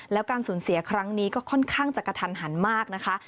แล้วการสูญเสียครั้งนี้ก็ค่อนข้างจะกระทันหันมากนะคะ